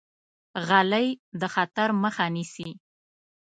غلی، د خطر مخه نیسي.